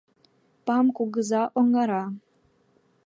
Пам кугыза оҥара.